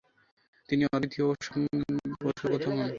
তিনি দ্বিতীয় এবং সত্যেন্দ্রনাথ বসু প্রথম হন।